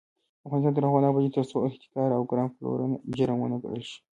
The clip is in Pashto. افغانستان تر هغو نه ابادیږي، ترڅو احتکار او ګران پلورنه جرم ونه ګڼل شي.